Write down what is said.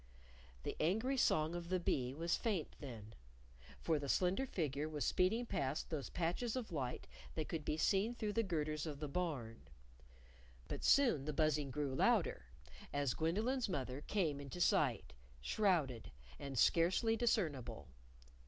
The angry song of the bee was faint then. For the slender figure was speeding past those patches of light that could be seen through the girders of the Barn. But soon the buzzing grew louder as Gwendolyn's mother came into sight, shrouded, and scarcely discernible.